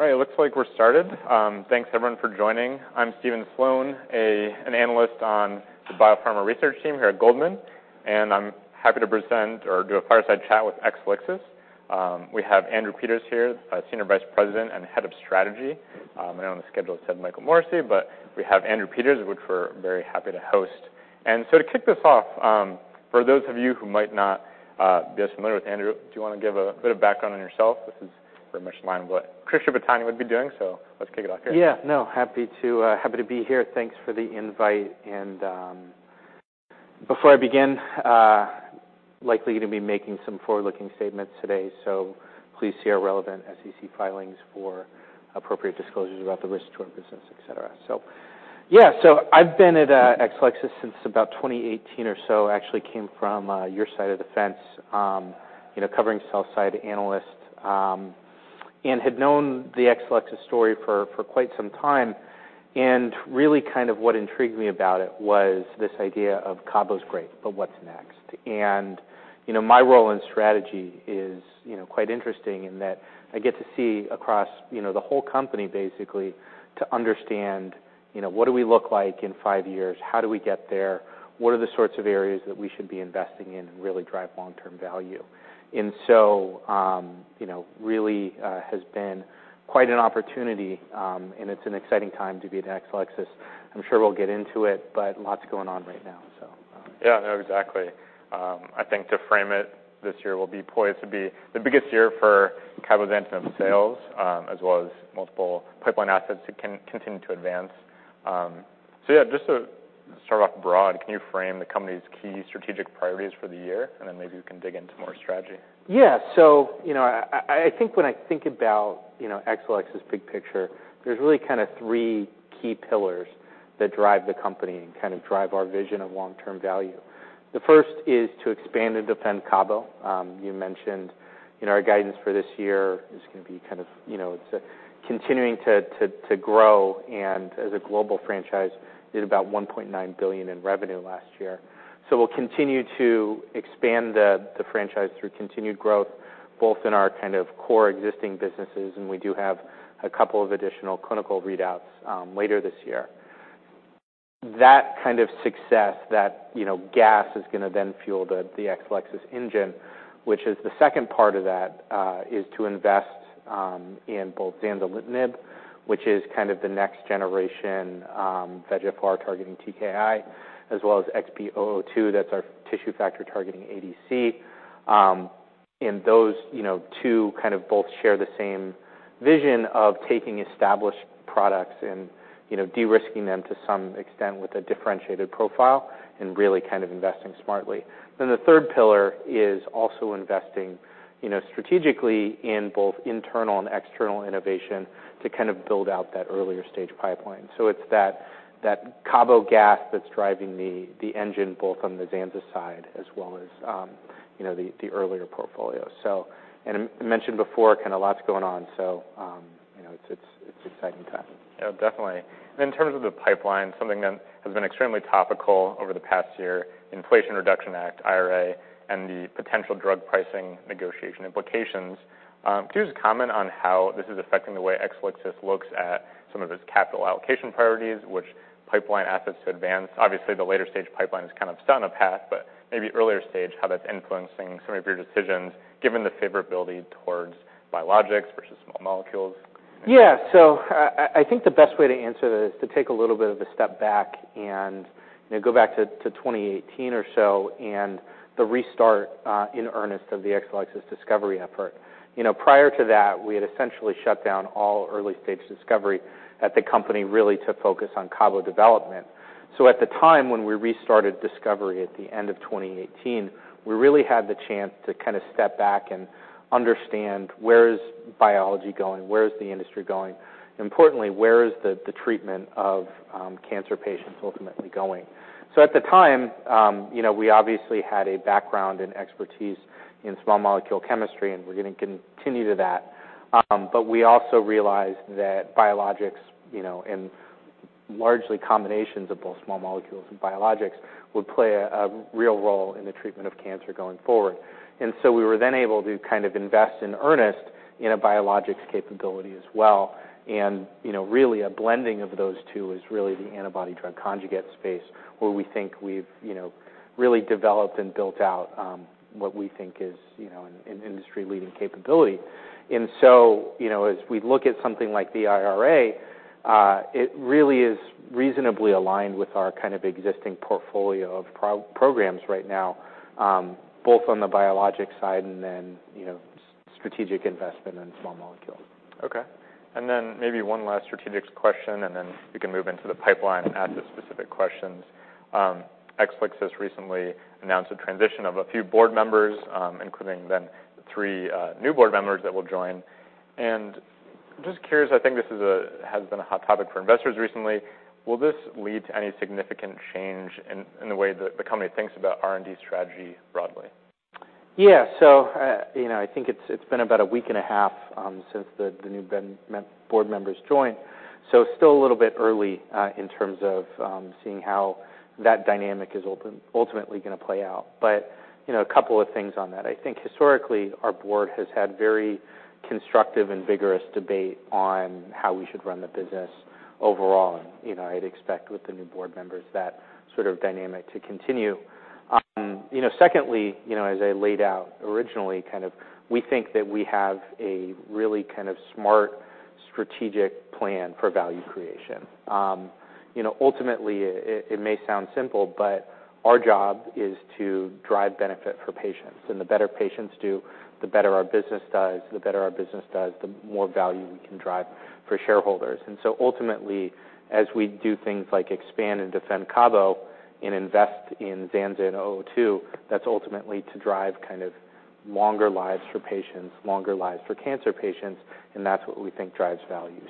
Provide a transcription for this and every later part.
All right, it looks like we're started. Thanks everyone for joining. I'm Stephen Sloan, an analyst on the biopharma research team here at Goldman, and I'm happy to present or do a fireside chat with Exelixis. We have Andrew Peters here, Senior Vice President and Head of Strategy. I know on the schedule, it said Michael Morrissey, but we have Andrew Peters, which we're very happy to host. To kick this off, for those of you who might not be as familiar with Andrew, do you want to give a bit of background on yourself? This is very much in line with what Salveen Richter would be doing, so let's kick it off here. Yeah, no, happy to be here. Thanks for the invite. Before I begin, likely to be making some forward-looking statements today, please see our relevant SEC filings for appropriate disclosures about the risks to our business, et cetera. Yeah, so I've been at Exelixis since about 2018 or so. I actually came from your side of the fence, you know, covering sell-side analyst, and had known the Exelixis story for quite some time, and really kind of what intrigued me about it was this idea of cabo is great, but what's next? You know, my role in strategy is, you know, quite interesting in that I get to see across, you know, the whole company basically, to understand, you know, what do we look like in 5 years? How do we get there? What are the sorts of areas that we should be investing in and really drive long-term value? You know, really has been quite an opportunity, and it's an exciting time to be at Exelixis. I'm sure we'll get into it, but lots going on right now. Yeah, no, exactly. I think to frame it, this year will be poised to be the biggest year for cabozantinib sales, as well as multiple pipeline assets to continue to advance. Yeah, just to start off broad, can you frame the company's key strategic priorities for the year, and then maybe we can dig into more strategy? You know, I think when I think about, you know, Exelixis' big picture, there's really kind of three key pillars that drive the company and kind of drive our vision of long-term value. The first is to expand and defend cabo. You mentioned, you know, our guidance for this year is gonna be continuing to grow, and as a global franchise, did about $1.9 billion in revenue last year. We'll continue to expand the franchise through continued growth, both in our kind of core existing businesses, and we do have a couple of additional clinical readouts later this year. That kind of success, that, you know, gas, is gonna then fuel the Exelixis engine, which is the second part of that, is to invest in both zanzalintinib, which is kind of the next generation VEGF-R targeting TKI, as well as XB002, that's our Tissue Factor targeting ADC. Those, you know, two kind of both share the same vision of taking established products and, you know, de-risking them to some extent with a differentiated profile and really kind of investing smartly. The third pillar is also investing, you know, strategically in both internal and external innovation to kind of build out that earlier stage pipeline. It's that cabo gas that's driving the engine, both on the zanzalintinib side as well as, you know, the earlier portfolio. And I mentioned before, kind of lot's going on, so, you know, it's exciting time. Yeah, definitely. In terms of the pipeline, something that has been extremely topical over the past year, Inflation Reduction Act, IRA, and the potential drug pricing negotiation implications. Can you just comment on how this is affecting the way Exelixis looks at some of its capital allocation priorities, which pipeline assets to advance? Obviously, the later stage pipeline is kind of set on a path, but maybe earlier stage, how that's influencing some of your decisions, given the favorability towards biologics versus small molecules. I think the best way to answer that is to take a little bit of a step back and, you know, go back to 2018 or so, and the restart in earnest of the Exelixis discovery effort. You know, prior to that, we had essentially shut down all early stage discovery at the company, really to focus on cabo development. At the time when we restarted discovery at the end of 2018, we really had the chance to kind of step back and understand where is biology going, where is the industry going, and importantly, where is the treatment of cancer patients ultimately going? At the time, you know, we obviously had a background and expertise in small molecule chemistry, and we're gonna continue to that. We also realized that biologics, you know, and largely combinations of both small molecules and biologics, would play a real role in the treatment of cancer going forward. We were then able to kind of invest in earnest in a biologics capability as well. You know, really a blending of those two is really the antibody-drug conjugate space, where we think we've, you know, really developed and built out, what we think is, you know, an industry-leading capability. You know, as we look at something like the IRA, it really is reasonably aligned with our kind of existing portfolio of programs right now, both on the biologic side and then, you know, strategic investment and small molecules. Okay. Maybe one last strategic question, we can move into the pipeline, asset-specific questions. Exelixis recently announced a transition of a few board members, including three new board members that will join. Just curious, I think this has been a hot topic for investors recently. Will this lead to any significant change in the way that the company thinks about R&D strategy broadly? You know, I think it's been about a week and a half since the new board members joined. Still a little bit early in terms of seeing how that dynamic is ultimately going to play out. You know, a couple of things on that. I think historically, our board has had very constructive and vigorous debate on how we should run the business overall. You know, I'd expect with the new board members, that sort of dynamic to continue. You know, secondly, you know, as I laid out originally, kind of, we think that we have a really kind of smart strategic plan for value creation. You know, ultimately, it may sound simple, but our job is to drive benefit for patients. The better patients do, the better our business does, the better our business does, the more value we can drive for shareholders. Ultimately, as we do things like expand and defend CABO and invest in ZANZA and XB002, that's ultimately to drive kind of longer lives for patients, longer lives for cancer patients, and that's what we think drives value.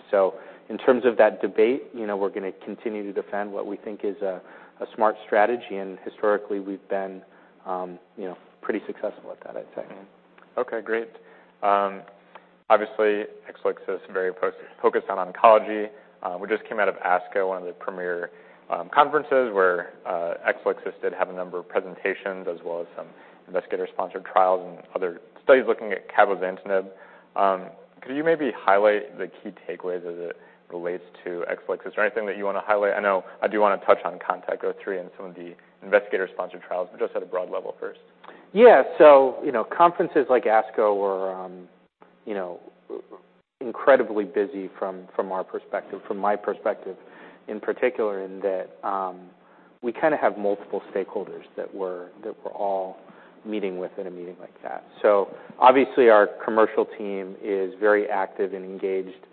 In terms of that debate, you know, we're going to continue to defend what we think is a smart strategy, and historically, we've been, you know, pretty successful at that, I'd say. Okay, great. Obviously, Exelixis is very focused on oncology. We just came out of ASCO, one of the premier conferences, where Exelixis did have a number of presentations as well as some investigator-sponsored trials and other studies looking at cabozantinib. Could you maybe highlight the key takeaways as it relates to Exelixis? Is there anything that you want to highlight? I know I do want to touch on CONTACT-03 and some of the investigator-sponsored trials, but just at a broad level first. You know, conferences like ASCO are, you know, incredibly busy from our perspective, from my perspective, in particular, in that we kind of have multiple stakeholders that we're all meeting with in a meeting like that. Obviously, our commercial team is very active and engaged,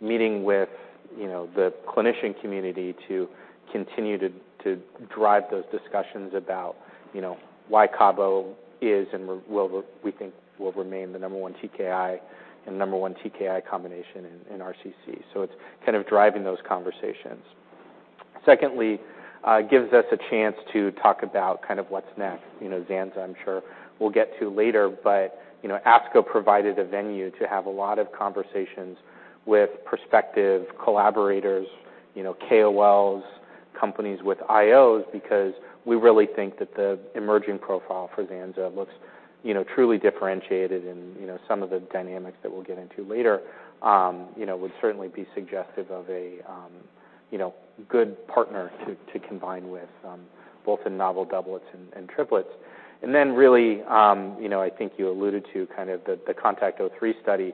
meeting with, you know, the clinician community to continue to drive those discussions about, you know, why cabo is and will, we think, will remain the number one TKI and number one TKI combination in RCC. It's kind of driving those conversations. Secondly, it gives us a chance to talk about kind of what's next. ZANZA, I'm sure we'll get to later, you know, ASCO provided a venue to have a lot of conversations with prospective collaborators, you know, KOLs, companies with IOs, because we really think that the emerging profile for ZANZA looks, you know, truly differentiated. You know, some of the dynamics that we'll get into later, you know, would certainly be suggestive of a, you know, good partner to combine with, both in novel doublets and triplets. Really, you know, I think you alluded to kind of the CONTACT-03 study.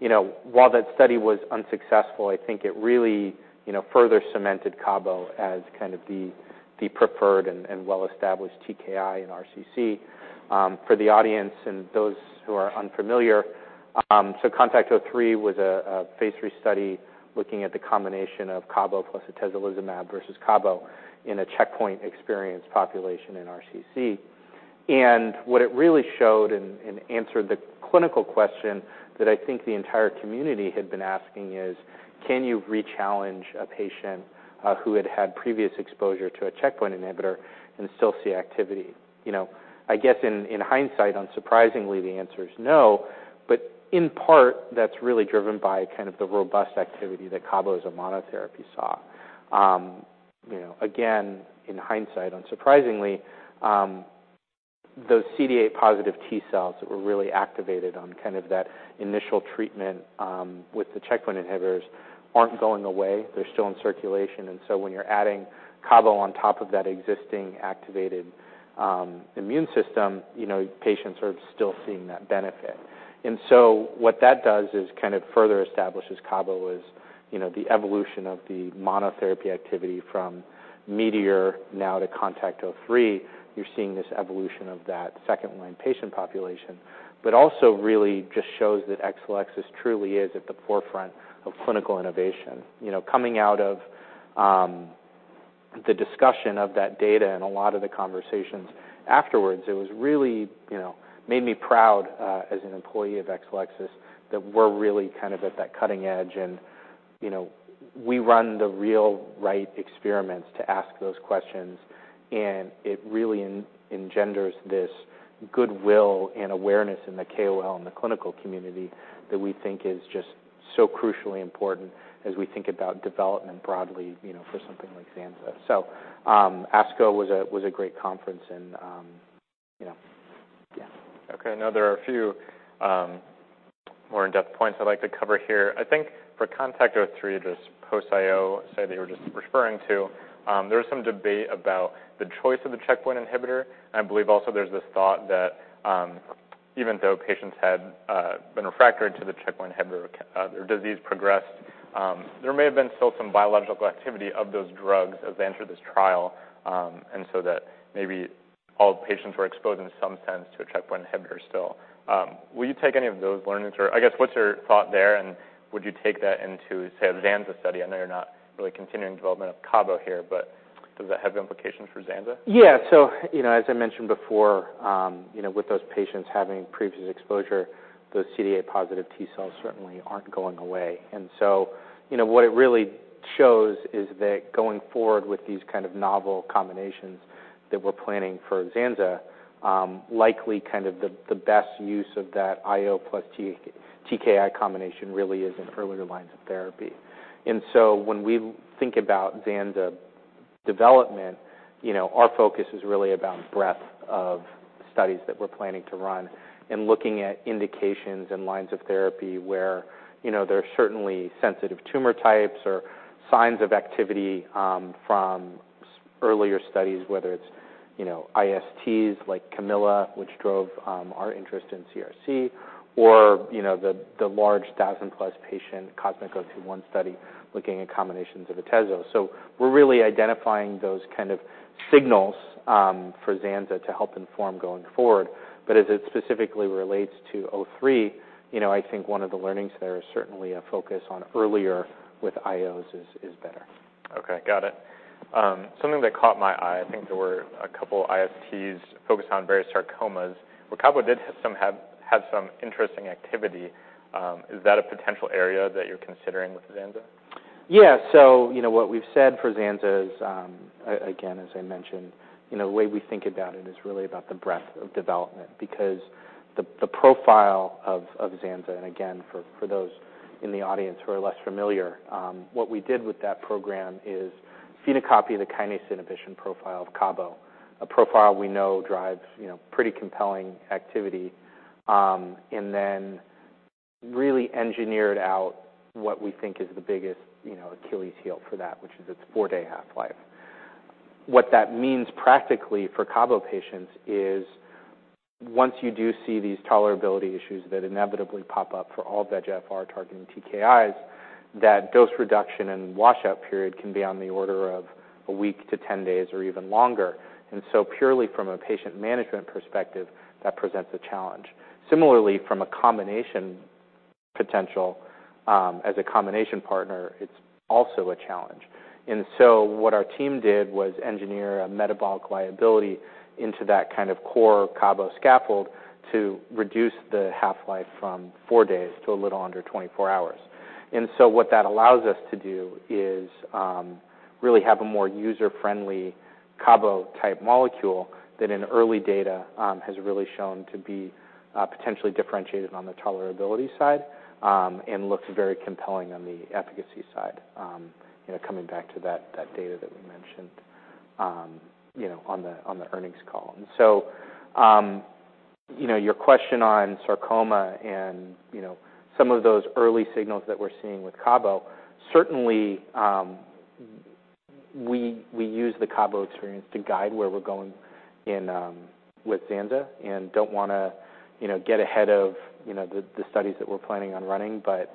You know, while that study was unsuccessful, I think it really, you know, further cemented cabo as kind of the preferred and well-established TKI in RCC. For the audience and those who are unfamiliar, Contact-03 was a phase 3 study looking at the combination of cabo plus atezolizumab versus cabo in a checkpoint experience population in RCC. What it really showed and answered the clinical question that I think the entire community had been asking is: Can you rechallenge a patient who had previous exposure to a checkpoint inhibitor and still see activity? You know, I guess in hindsight, unsurprisingly, the answer is no, but in part, that's really driven by kind of the robust activity that cabo as a monotherapy saw. You know, again, in hindsight, unsurprisingly, those CD8-positive T-cells that were really activated on kind of that initial treatment with the checkpoint inhibitors aren't going away. They're still in circulation. When you're adding cabo on top of that existing activated, immune system, you know, patients are still seeing that benefit. What that does is kind of further establishes cabo as, you know, the evolution of the monotherapy activity from METEOR now to CONTACT-03. You're seeing this evolution of that second-line patient population, but also really just shows that Exelixis truly is at the forefront of clinical innovation. You know, coming out of the discussion of that data and a lot of the conversations afterwards, it was really, you know, made me proud, as an employee of Exelixis, that we're really kind of at that cutting edge. You know, we run the real right experiments to ask those questions, and it really engenders this goodwill and awareness in the KOL and the clinical community that we think is just so crucially important as we think about development broadly, you know, for something like ZANZA. ASCO was a great conference and, you know, yeah. Okay. There are a few more in-depth points I'd like to cover here. I think for CONTACT-03, just post-IO study that you were just referring to, there was some debate about the choice of the checkpoint inhibitor. I believe also there's this thought that, even though patients had been refractor to the checkpoint inhibitor, their disease progressed, there may have been still some biological activity of those drugs as they entered this trial, and so that maybe all patients were exposed in some sense to a checkpoint inhibitor still. Will you take any of those learnings, or I guess, what's your thought there, and would you take that into, say, a zanza study? I know you're not really continuing development of cabo here, does that have implications for zanza? You know, as I mentioned before, you know, with those patients having previous exposure, those CD8-positive T-cells certainly aren't going away. You know, what it really shows is that going forward with these kind of novel combinations that we're planning for Xanza, likely kind of the best use of that IO plus TKI combination really is in earlier lines of therapy. When we think about Xanza development, you know, our focus is really about breadth of studies that we're planning to run and looking at indications and lines of therapy where, you know, there are certainly sensitive tumor types or signs of activity from earlier studies, whether it's, you know, ISTs like CAMILLA, which drove our interest in CRC, or, you know, the large 1,000+ patient COSMIC-021 study looking at combinations of atezolizumab. We're really identifying those kind of signals, for Xanza to help inform going forward. As it specifically relates to O-three, you know, I think one of the learnings there is certainly a focus on earlier with IOs is better. Okay, got it. Something that caught my eye, I think there were a couple ISTs focused on various sarcomas, where cabo had some interesting activity. Is that a potential area that you're considering with Xanza? Yeah, you know, what we've said for Xanza is again, as I mentioned, you know, the way we think about it is really about the breadth of development. The profile of Xanza, and again, for those in the audience who are less familiar, what we did with that program is phenocopy the kinase inhibition profile of cabo, a profile we know drives, you know, pretty compelling activity, and then really engineered out what we think is the biggest, you know, Achilles heel for that, which is its four-day half-life. What that means practically for cabo patients is, once you do see these tolerability issues that inevitably pop up for all VEGF-R targeting TKIs, that dose reduction and washout period can be on the order of a week to 10 days or even longer. Purely from a patient management perspective, that presents a challenge. Similarly, from a combination potential, as a combination partner, it's also a challenge. What our team did was engineer a metabolic liability into that kind of core cabo scaffold to reduce the half-life from 4 days to a little under 24 hours. What that allows us to do is really have a more user-friendly cabo-type molecule that in early data has really shown to be potentially differentiated on the tolerability side, and looks very compelling on the efficacy side, you know, coming back to that data that we mentioned, you know, on the, on the earnings call. You know, your question on sarcoma and, you know, some of those early signals that we're seeing with cabo, certainly, we use the cabo experience to guide where we're going in with Xanza, and don't want to, you know, get ahead of, you know, the studies that we're planning on running, but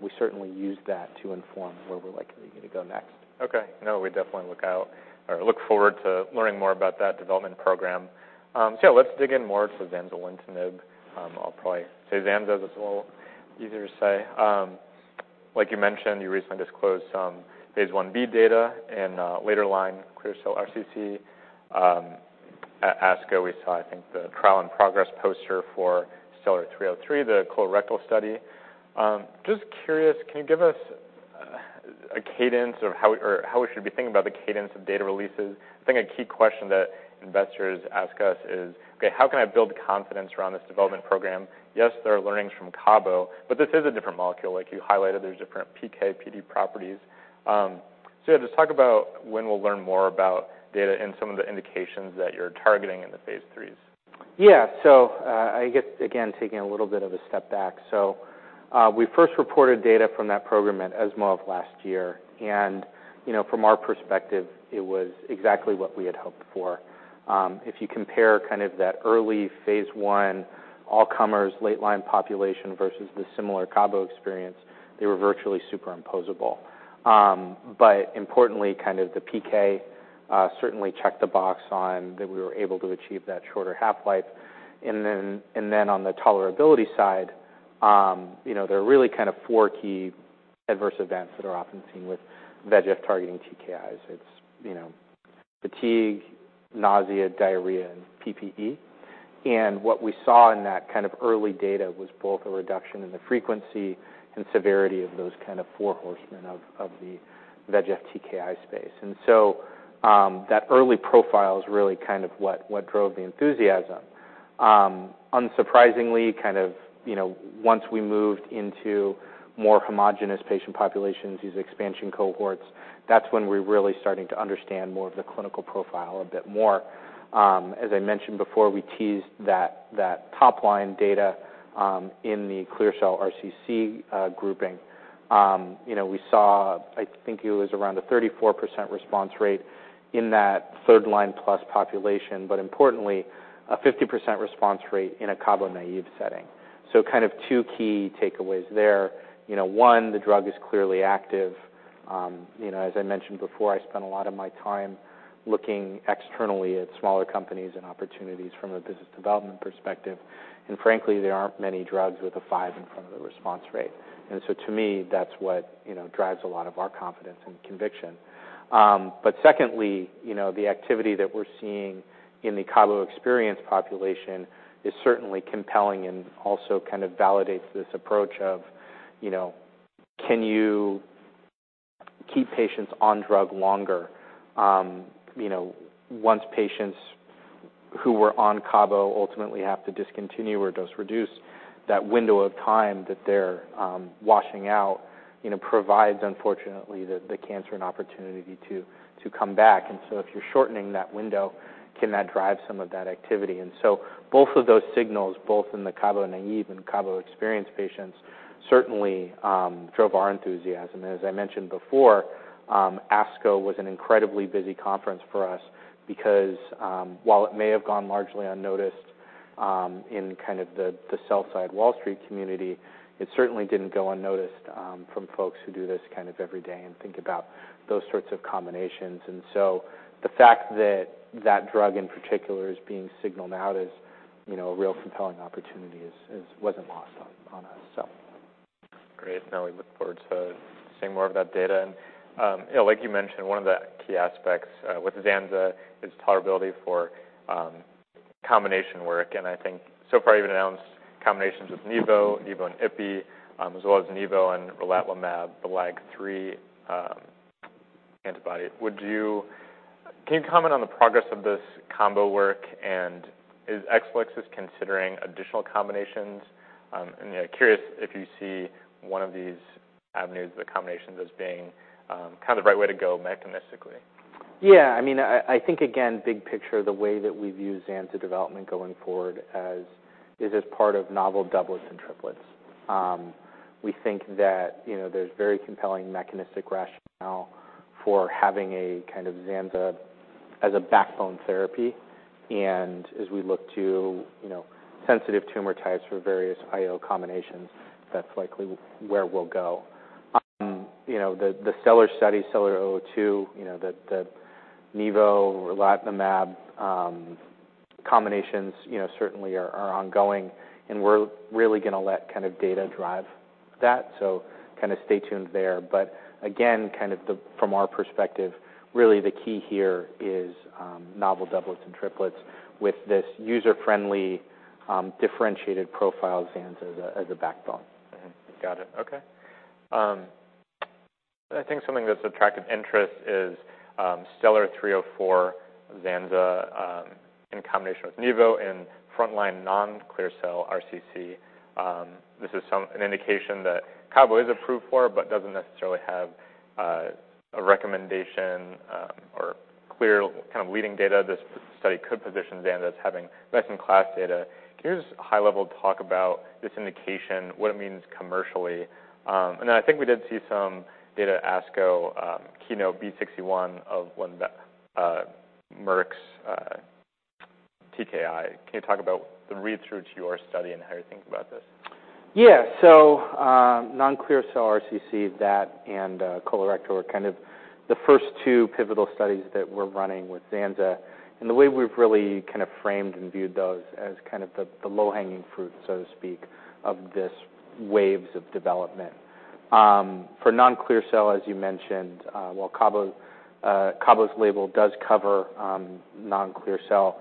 we certainly use that to inform where we're likely to go next. Okay. No, we definitely look out or look forward to learning more about that development program. Let's dig in more to zanzalintinib. I'll probably say Xanza, this is a little easier to say. Like you mentioned, you recently disclosed some Phase 1b data and later line clear cell RCC. At ASCO, we saw, I think, the trial in progress poster for STELLAR-303, the colorectal study. Just curious, can you give us a cadence of how we should be thinking about the cadence of data releases? I think a key question that investors ask us is, okay, how can I build confidence around this development program? Yes, there are learnings from cabo, this is a different molecule. Like you highlighted, there's different PK/PD properties. Yeah, just talk about when we'll learn more about data and some of the indications that you're targeting in the phase threes? Yeah. I guess, again, taking a little bit of a step back. We first reported data from that program at ESMO of last year, and, you know, from our perspective, it was exactly what we had hoped for. If you compare kind of that early phase 1, all comers, late-line population versus the similar CABO experience, they were virtually superimposable. Importantly, kind of the PK certainly checked the box on that we were able to achieve that shorter half-life. On the tolerability side, you know, there are really kind of four key adverse events that are often seen with VEGF targeting TKIs. It's, you know, fatigue, nausea, diarrhea, and PPE. What we saw in that kind of early data was both a reduction in the frequency and severity of those kind of four horsemen of the VEGF TKI space. Unsurprisingly, kind of, you know, once we moved into more homogenous patient populations, these expansion cohorts, that's when we're really starting to understand more of the clinical profile a bit more. As I mentioned before, we teased that top line data in the clear cell RCC grouping. You know, we saw, I think it was around a 34% response rate in that third line plus population, but importantly, a 50% response rate in a cabo-naive setting. Kind of two key takeaways there. You know, one, the drug is clearly active. You know, as I mentioned before, I spent a lot of my time looking externally at smaller companies and opportunities from a business development perspective, and frankly, there aren't many drugs with a 5 in front of the response rate. To me, that's what, you know, drives a lot of our confidence and conviction. But secondly, you know, the activity that we're seeing in the cabo experience population is certainly compelling and also kind of validates this approach of, you know, keep patients on drug longer. You know, once patients who were on cabo ultimately have to discontinue or dose reduce that window of time that they're washing out, you know, provides, unfortunately, the cancer an opportunity to come back. If you're shortening that window, can that drive some of that activity? Both of those signals, both in the cabo-naïve and cabo-experienced patients, certainly, drove our enthusiasm. As I mentioned before, ASCO was an incredibly busy conference for us because, while it may have gone largely unnoticed, in kind of the sell-side Wall Street community, it certainly didn't go unnoticed, from folks who do this kind of every day and think about those sorts of combinations. The fact that that drug in particular is being signaled out as, you know, a real compelling opportunity wasn't lost on us, so. Great. Now we look forward to seeing more of that data. you know, like you mentioned, one of the key aspects with Xanza is tolerability for combination work. I think so far you've announced combinations with nivolumab and ipilimumab, as well as nivolumab and relatlimab, the LAG-3 antibody. Can you comment on the progress of this combo work, and is Exelixis considering additional combinations? I'm curious if you see one of these avenues of the combinations as being kind of the right way to go mechanistically. Yeah, I mean, I think, again, big picture, the way that we view zanzalintinib development going forward as, is as part of novel doublets and triplets. We think that, you know, there's very compelling mechanistic rationale for having a kind of zanzalintinib as a backbone therapy. As we look to, you know, sensitive tumor types for various IO combinations, that's likely where we'll go. You know, the STELLAR-002 study, you know, the nivolumab relatlimab combinations, you know, certainly are ongoing, and we're really gonna let kind of data drive that, so kinda stay tuned there. Again, from our perspective, really, the key here is, novel doublets and triplets with this user-friendly, differentiated profile, zanzalintinib, as a, as a backbone. Got it. Okay. I think something that's attracted interest is STELLAR-304 zanzalintinib in combination with nivo in frontline non-clear cell RCC. This is an indication that cabo is approved for, but doesn't necessarily have a recommendation or clear kind of leading data. This study could position zanzalintinib as having best-in-class data. Can you just high-level talk about this indication, what it means commercially? I think we did see some data ASCO, KEYNOTE-B61 of one of the Merck's TKI. Can you talk about the read-through to your study and how you think about this? Non-clear cell RCC, that and colorectal were kind of the first two pivotal studies that we're running with Xanza. The way we've really kind of framed and viewed those as kind of the low-hanging fruit, so to speak, of this waves of development. For non-clear cell, as you mentioned, while cabo's label does cover non-clear cell,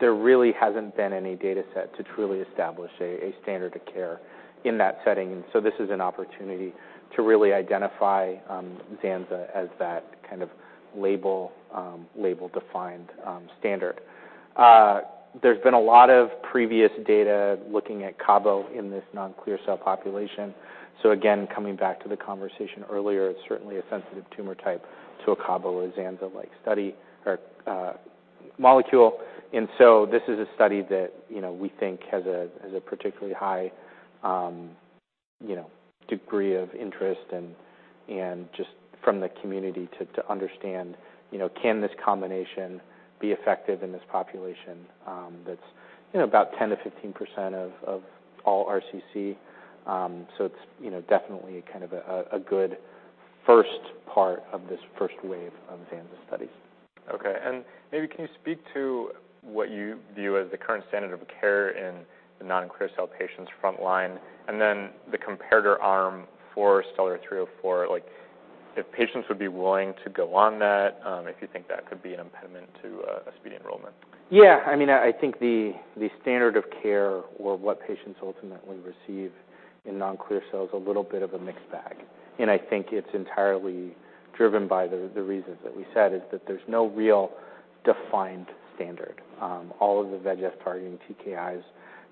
there really hasn't been any data set to truly establish a standard of care in that setting. This is an opportunity to really identify Xanza as that kind of label-defined, standard. There's been a lot of previous data looking at cabo in this non-clear cell population. Again, coming back to the conversation earlier, it's certainly a sensitive tumor type to a cabo or Xanza-like study or molecule. This is a study that, you know, we think has a particularly high, you know, degree of interest and just from the community to understand, you know, can this combination be effective in this population? That's, you know, about 10%-15% of all RCC. It's, you know, definitely kind of a good first part of this first wave of Xanza studies. Okay. Maybe can you speak to what you view as the current standard of care in the non-clear-cell patients frontline, and then the comparator arm for STELLAR-304? Like, if patients would be willing to go on that, if you think that could be an impediment to a speedy enrollment. I mean, I think the standard of care or what patients ultimately receive in non-clear cell is a little bit of a mixed bag. I think it's entirely driven by the reasons that we said, is that there's no real defined standard. All of the VEGF-targeting TKIs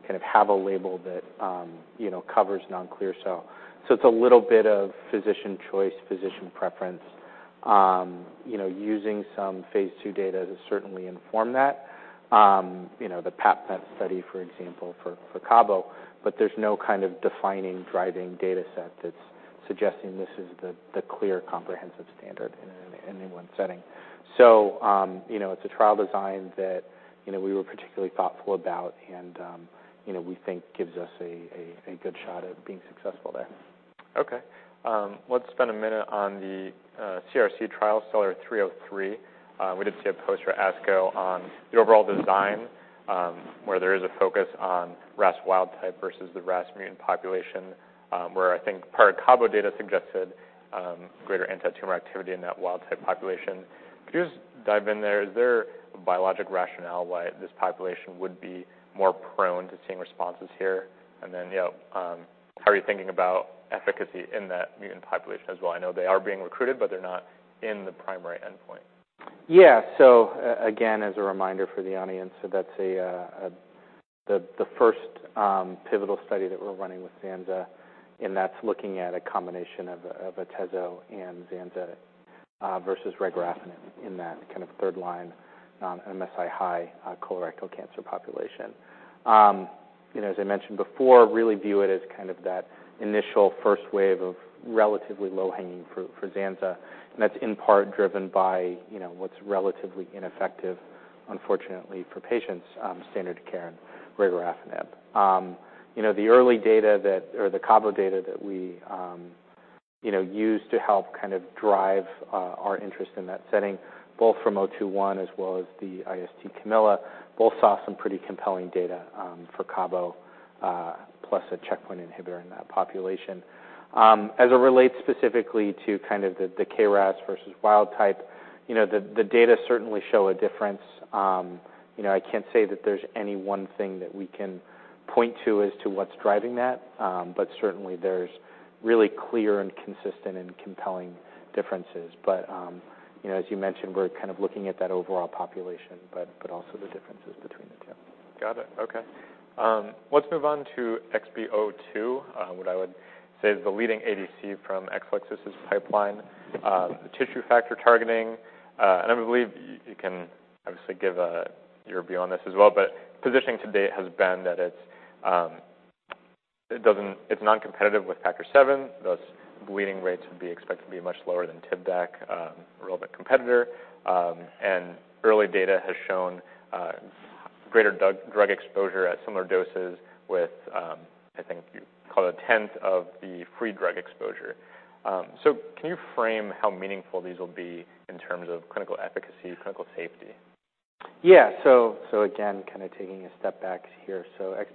kind of have a label that, you know, covers non-clear cell. It's a little bit of physician choice, physician preference, you know, using some phase 2 data to certainly inform that. You know, the PAPMET study, for example, for cabo, but there's no kind of defining, driving data set that's suggesting this is the clear, comprehensive standard in one setting. You know, it's a trial design that, you know, we were particularly thoughtful about and, you know, we think gives us a good shot at being successful there. Okay. Let's spend a minute on the CRC trial, STELLAR-303. We did see a poster at ASCO on the overall design, where there is a focus on RAS wild-type versus the RAS mutant population, where I think part of cabo data suggested greater anti-tumor activity in that wild-type population. Can you just dive in there? Is there a biologic rationale why this population would be more prone to seeing responses here? You know, how are you thinking about efficacy in that mutant population as well? I know they are being recruited, but they're not in the primary endpoint. Again, as a reminder for the audience, that's the first pivotal study that we're running with zansa, and that's looking at a combination of atezol and zansa versus regorafenib in that kind of third-line MSI-H colorectal cancer population. You know, as I mentioned before, really view it as kind of that initial first wave of relatively low-hanging fruit for zansa, and that's in part driven by, you know, what's relatively ineffective, unfortunately, for patients, standard of care and regorafenib. You know, the early data that the cabo data that we, you know, use to help kind of drive our interest in that setting, both from COSMIC-021 as well as the IST CAMILLA, both saw some pretty compelling data for cabo plus a checkpoint inhibitor in that population. As it relates specifically to kind of the KRAS versus wild-type, you know, the data certainly show a difference. You know, I can't say that there's any one thing that we can point to as to what's driving that, but certainly there's really clear, consistent, and compelling differences. You know, as you mentioned, we're kind of looking at that overall population, but also the differences between the two. Got it. Okay. Let's move on to XB002, what I would say is the leading ADC from Exelixis's pipeline, Tissue Factor targeting. And I believe you can obviously give your view on this as well, but positioning to date has been that it's non-competitive with Factor VII, thus bleeding rates would be expected to be much lower than TIVDAK, relevant competitor. And early data has shown greater drug exposure at similar doses with, I think you call it a tenth of the free drug exposure. Can you frame how meaningful these will be in terms of clinical efficacy, clinical safety? Again, kind of taking a step back here.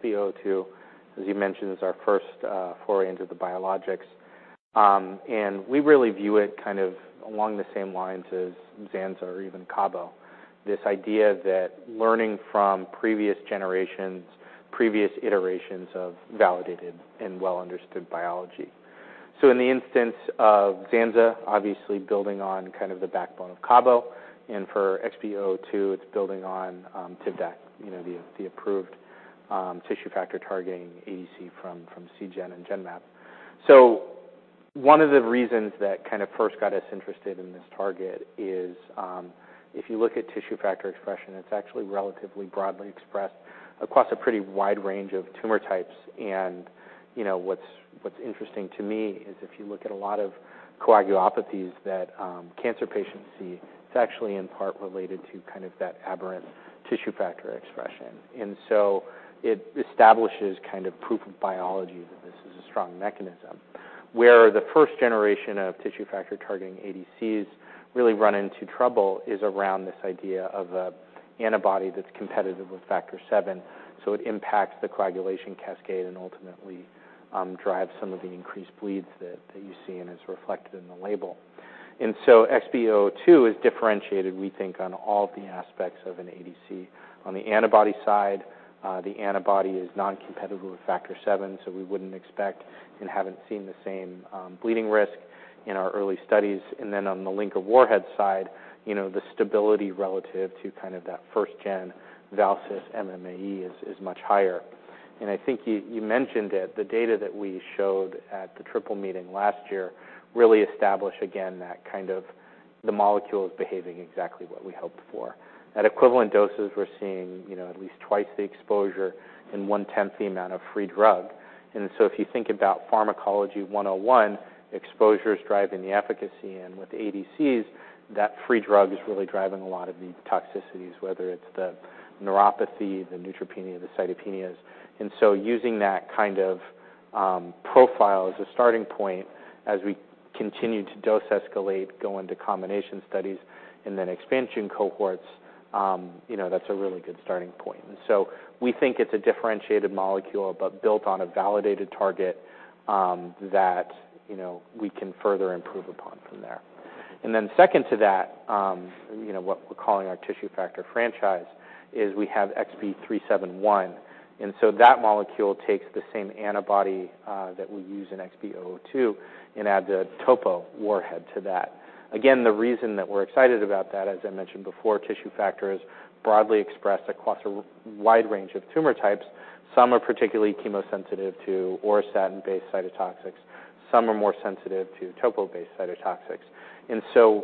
XB002, as you mentioned, is our first foray into the biologics. We really view it kind of along the same lines as ZANSA or even CABO. This idea that learning from previous generations, previous iterations of validated and well understood biology. In the instance of ZANSA, obviously building on kind of the backbone of CABO, and for XB002, it's building on TIVDAK, you know, the approved Tissue Factor targeting ADC from Seagen and Genmab. One of the reasons that kind of first got us interested in this target is, if you look at Tissue Factor expression, it's actually relatively broadly expressed across a pretty wide range of tumor types. You know, what's interesting to me is if you look at a lot of coagulopathies that cancer patients see, it's actually in part related to kind of that aberrant Tissue Factor expression. It establishes kind of proof of biology, that this is a strong mechanism. Where the first generation of Tissue Factor targeting ADCs really run into trouble, is around this idea of an antibody that's competitive with Factor VII, so it impacts the coagulation cascade and ultimately drives some of the increased bleeds that you see, and is reflected in the label. XB002 is differentiated, we think, on all the aspects of an ADC. On the antibody side, the antibody is non-competitive with Factor VII, so we wouldn't expect and haven't seen the same bleeding risk in our early studies. On the link of warhead side, you know, the stability relative to kind of that 1st-gen valine-citrulline MMAE is much higher. I think you mentioned it, the data that we showed at the Triple Meeting last year really establish again, that kind of the molecule is behaving exactly what we hoped for. At equivalent doses, we're seeing, you know, at least 2x the exposure and one-tenth the amount of free drug. If you think about pharmacology 101, exposure is driving the efficacy, and with ADCs, that free drug is really driving a lot of the toxicities, whether it's the neuropathy, the neutropenia, the cytopenias. Using that kind of profile as a starting point, as we continue to dose escalate, go into combination studies and then expansion cohorts, you know, that's a really good starting point. We think it's a differentiated molecule, but built on a validated target, that, you know, we can further improve upon from there. Second to that, you know, what we're calling our Tissue Factor franchise, is we have XB371, that molecule takes the same antibody that we use in XB002 and add the topo warhead to that. Again, the reason that we're excited about that, as I mentioned before, Tissue Factor is broadly expressed across a wide range of tumor types. Some are particularly chemosensitive to auristatin-based cytotoxics, some are more sensitive to topo-based cytotoxics.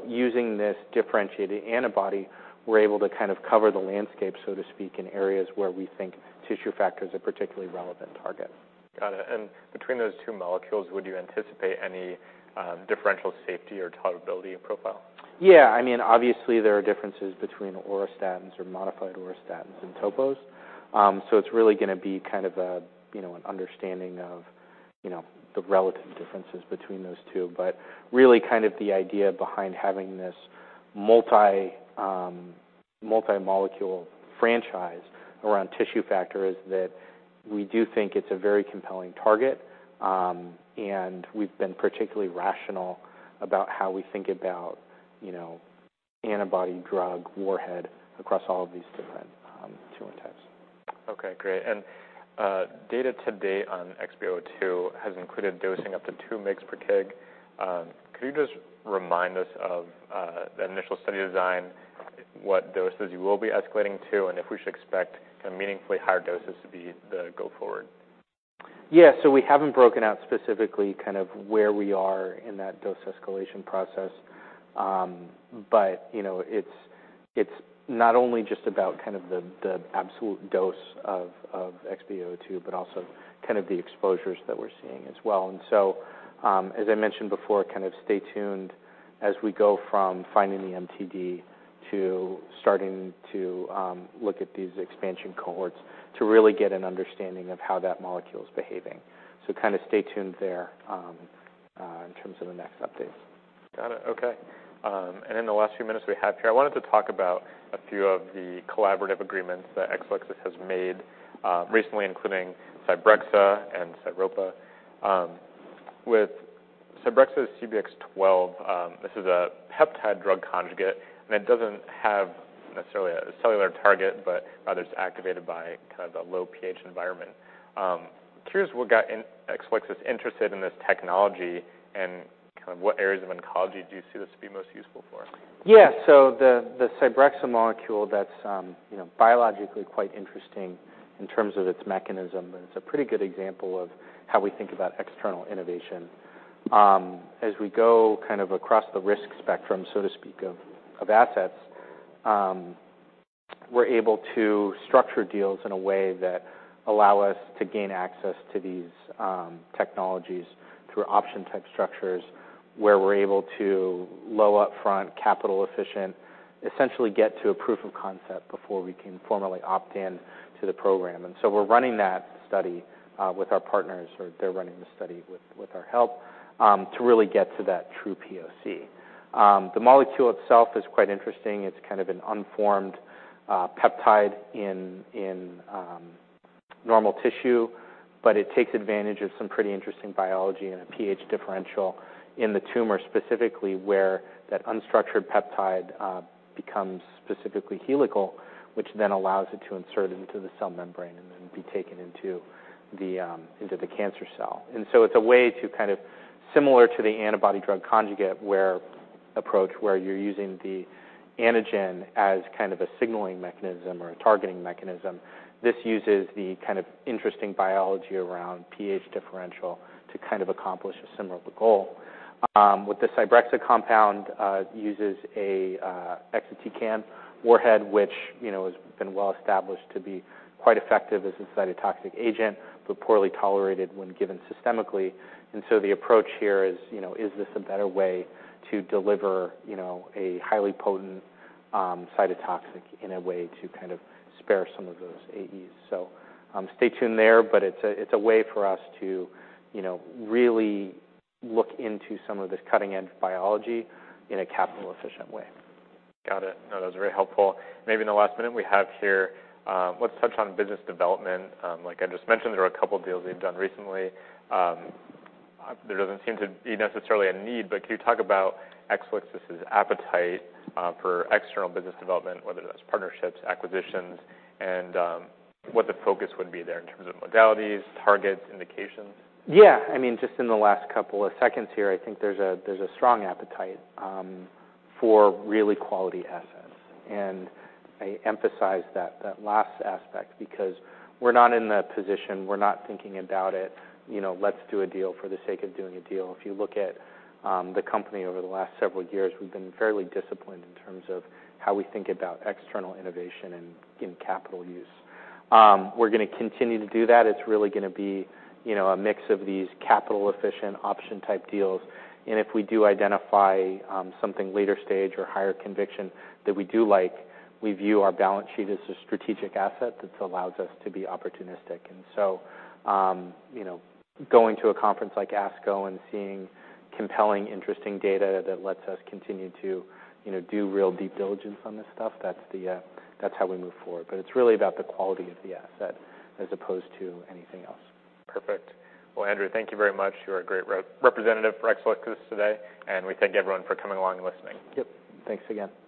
Using this differentiated antibody, we're able to kind of cover the landscape, so to speak, in areas where we think Tissue Factor is a particularly relevant target. Got it. Between those two molecules, would you anticipate any differential safety or tolerability profile? Yeah, I mean, obviously there are differences between auristatins or modified auristatins and topos. It's really gonna be kind of a, you know, an understanding of, you know, the relative differences between those two. Really kind of the idea behind having this multi-molecule franchise around Tissue Factor is that we do think it's a very compelling target, and we've been particularly rational about how we think about, you know, antibody drug warhead across all of these different tumor types. Okay, great. Data to date on XB002 has included dosing up to 2 mgs per kg. Could you just remind us of the initial study design, what doses you will be escalating to, and if we should expect kind of meaningfully higher doses to be the go forward? Yeah, we haven't broken out specifically kind of where we are in that dose escalation process. But, you know, it's not only just about kind of the absolute dose of XB002, but also kind of the exposures that we're seeing as well. As I mentioned before, kind of stay tuned as we go from finding the MTD to starting to look at these expansion cohorts, to really get an understanding of how that molecule is behaving. Kind of stay tuned there in terms of the next updates. Got it. Okay. In the last few minutes we have here, I wanted to talk about a few of the collaborative agreements that Exelixis has made recently, including Cybrexa and Sairopa. With Cybrexa CBX-12, this is a peptide-drug conjugate, and it doesn't have necessarily a cellular target, but rather it's activated by kind of the low pH environment. Curious what got Exelixis interested in this technology and kind of what areas of oncology do you see this to be most useful for? The Cybrexa molecule that's, you know, biologically quite interesting in terms of its mechanism, and it's a pretty good example of how we think about external innovation. As we go kind of across the risk spectrum, so to speak, of assets, we're able to structure deals in a way that allow us to gain access to these technologies through option type structures, where we're able to low upfront capital efficient, essentially get to a proof of concept before we can formally opt in to the program. We're running that study with our partners, or they're running the study with our help, to really get to that true POC. The molecule itself is quite interesting. It's kind of an unformed peptide in normal tissue, but it takes advantage of some pretty interesting biology and a pH differential in the tumor, specifically, where that unstructured peptide becomes specifically helical, which then allows it to insert into the cell membrane and then be taken into the cancer cell. It's a way to kind of, similar to the antibody-drug conjugate, where approach, where you're using the antigen as kind of a signaling mechanism or a targeting mechanism. This uses the kind of interesting biology around pH differential to kind of accomplish a similar goal. With the Cybrexa compound, uses a exatecan warhead, which, you know, has been well established to be quite effective as a cytotoxic agent, but poorly tolerated when given systemically. The approach here is, you know, is this a better way to deliver, you know, a highly potent cytotoxic in a way to kind of spare some of those AEs? Stay tuned there, but it's a way for us to, you know, really look into some of this cutting-edge biology in a capital efficient way. Got it. That was very helpful. Maybe in the last minute we have here, let's touch on business development. Like I just mentioned, there are a couple of deals they've done recently. There doesn't seem to be necessarily a need, but can you talk about Exelixis's appetite for external business development, whether that's partnerships, acquisitions, and what the focus would be there in terms of modalities, targets, indications? Yeah. I mean, just in the last couple of seconds here, I think there's a strong appetite for really quality assets. I emphasize that last aspect, because we're not in that position, we're not thinking about it, you know, let's do a deal for the sake of doing a deal. If you look at the company over the last several years, we've been fairly disciplined in terms of how we think about external innovation and in capital use. We're gonna continue to do that. It's really gonna be, you know, a mix of these capital efficient option type deals. If we do identify something later stage or higher conviction that we do like, we view our balance sheet as a strategic asset that allows us to be opportunistic. You know, going to a conference like ASCO and seeing compelling, interesting data that lets us continue to, you know, do real deep diligence on this stuff, that's the, that's how we move forward. It's really about the quality of the asset as opposed to anything else. Perfect. Well, Andrew, thank you very much. You're a great representative for Exelixis today. We thank everyone for coming along and listening. Yep. Thanks again.